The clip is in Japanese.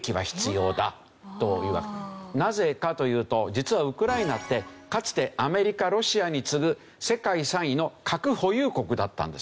なぜかというと実はウクライナってかつてアメリカロシアに次ぐ世界３位の核保有国だったんですよ。